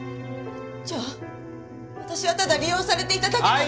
じゃあ私はただ利用されていただけなの？